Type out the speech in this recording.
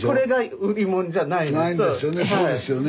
そうですよね。